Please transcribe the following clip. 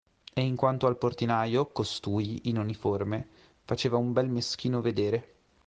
E in quanto al portinaio, costui, in uniforme, faceva un bel meschino vedere.